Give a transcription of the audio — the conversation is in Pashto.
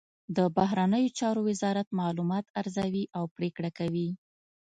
د بهرنیو چارو وزارت معلومات ارزوي او پریکړه کوي